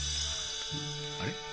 あれ？